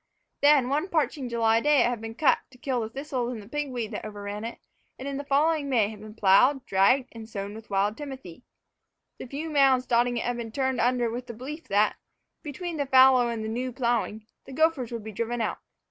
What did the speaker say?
Then, one parching July day it had been cut, to kill the thistles and pigweed that overran it, and in the following May had been plowed, dragged, and sown to wild timothy. The few mounds dotting it had been turned under with the belief that, between the fallow and the new plowing, the gophers would be driven out.